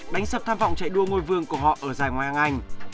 đánh sập tham vọng chạy đua ngôi vương của họ ở giải ngoài hạng anh